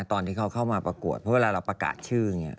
ตอนที่เขาเข้ามาประกวดเพราะเวลาเราประกาศชื่ออย่างนี้